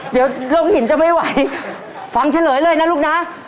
เดี๋ยวลงหินจะไม่ไหวฟังเฉลยเลยนะลูกนะ